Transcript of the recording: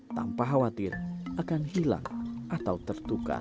tanpa khawatir akan hilang atau tertukar